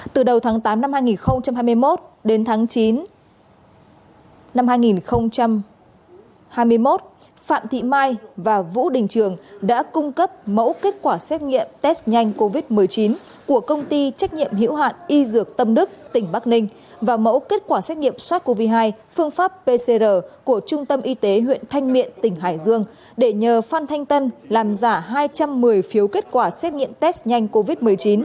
từ đầu tháng tám năm hai nghìn hai mươi một đến tháng chín năm hai nghìn hai mươi một phạm thị mai và vũ đình trường đã cung cấp mẫu kết quả xét nghiệm test nhanh covid một mươi chín của công ty trách nhiệm hiểu hạn y dược tâm đức tỉnh bắc ninh và mẫu kết quả xét nghiệm sars cov hai phương pháp pcr của trung tâm y tế huyện thanh miện tỉnh hải dương để nhờ phan thanh tân làm giả hai trăm một mươi phiếu kết quả xét nghiệm test nhanh covid một mươi chín